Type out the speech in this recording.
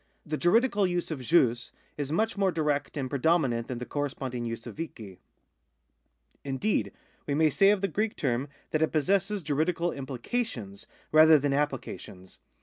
The juridical use of jus is much more direct and pre dominant than the corresponding use of cikt]. Indeed, we may say of the Greek term that it possesses juridical implications, rather than apphca tions.